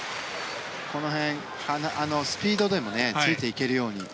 この辺、スピードでもついていけるように。